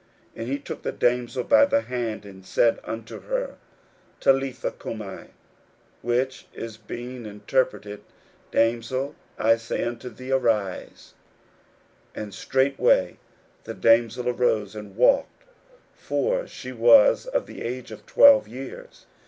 41:005:041 And he took the damsel by the hand, and said unto her, Talitha cumi; which is, being interpreted, Damsel, I say unto thee, arise. 41:005:042 And straightway the damsel arose, and walked; for she was of the age of twelve years.